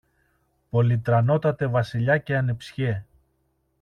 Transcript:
«Πολυτρανότατε Βασιλιά και ανεψιέ.